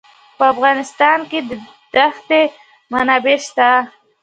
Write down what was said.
په افغانستان کې د ښتې منابع شته.